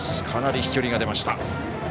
かなり飛距離が出ました。